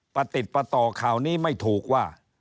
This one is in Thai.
ปฏิบต่อข่าวนี้ไม่ถูกว่า